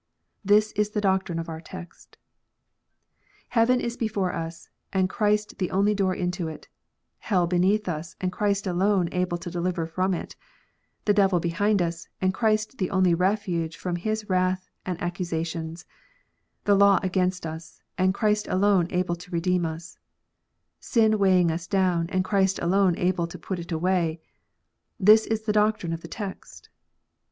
This is the doctrine of the text. Heaven is before us, and Christ the only door into it ; hell beneath us, and Christ alone able to deliver from it ; the devil behind us, and Christ the only refuge from his wrath and accu sations ; the law against us, and Christ alone able to redeem us ; sin weighing us down, and Christ alone able to put it away. This is the doctrine of the text.